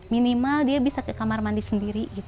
minimal dia bisa ke kamar mandi sendiri